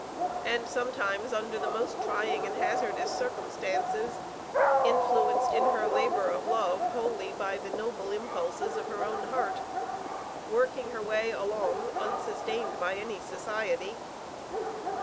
and, sometimes, under the most trying and hazardous circumstances; influenced in her labor of love, wholly by the noble impulses of her own heart, working her way along unsustained by any Society.